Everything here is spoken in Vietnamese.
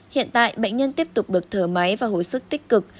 hiện tại bệnh nhân tiếp tục được thở máy và hồi sức tích cực